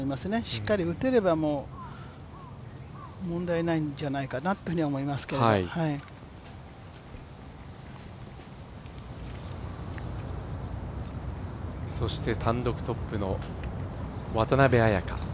しっかり打てれば問題ないと思いますけどそして単独トップの渡邉彩香。